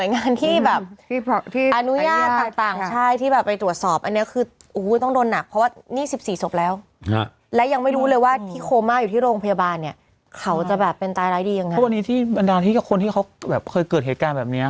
เพราะนี่เขาจะแบบเป็นตายร้ายดียังไงเพราะวันนี้ที่บรรดาที่คนที่เขาแบบเคยเกิดเหตุการณ์แบบนี้